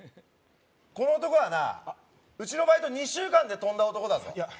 この男はなあっうちのバイト２週間で飛んだ男だぞいや